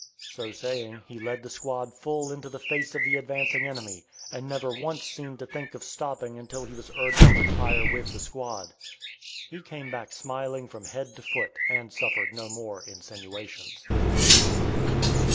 So saying he led the squad full into the face of the advancing enemy, and never once seemed to think of stopping until he was urged to retire with the squad. He came back smiling from head to foot, and suffered no more insinuations.